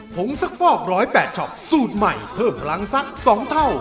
งสักฟอก๑๐๘ช็อปสูตรใหม่เพิ่มพลังสัก๒เท่า